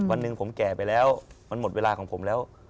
วันหนึ่งผมแก่ไปแล้วมันหมดเวลาของผมแล้ว